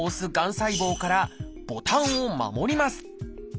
細胞からボタンを守ります。